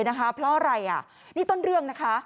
เพราะอะไรนี่ต้นเรื่องนะคะ